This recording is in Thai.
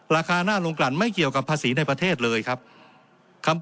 ราคาหน้าลงกลั่นไม่เกี่ยวกับภาษีในประเทศเลยครับคำ